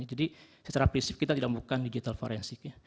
jadi secara prinsip kita tidak membuatkan digital forensik ya